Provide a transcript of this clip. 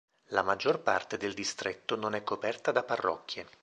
La maggior parte del distretto non è coperta da parrocchie.